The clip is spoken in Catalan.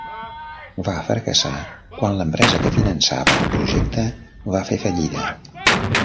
Va fracassar quan l'empresa que finançava el projecte va fer fallida.